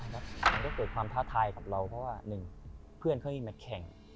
มันก็เกิดความท้าทายกับเราเพราะว่าหนึ่งเพื่อนเขายิ่งมาแข่ง